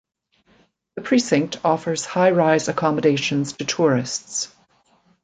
The precinct offers high rise accommodations to tourists.